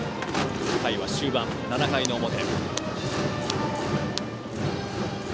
回は終盤、７回の表。